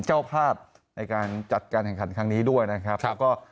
์เข้าภาพในการจัดการขังครั้งนี้ด้วยนะครับครับก็